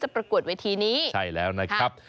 ใช่แล้วนะครับ